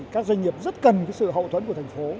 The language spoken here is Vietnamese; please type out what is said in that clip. các doanh nghiệp rất cần sự hậu thuẫn của thành phố